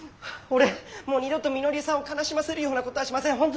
俺もう二度とみのりさんを悲しませるようなことはしません！